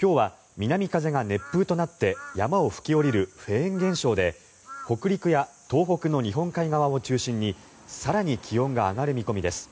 今日は南風が熱風となって山を吹き下りるフェーン現象で北陸や東北の日本海側を中心に更に気温が上がる見込みです。